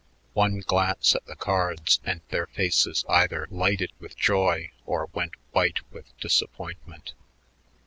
One glance at the cards, and their faces either lighted with joy or went white with disappointment.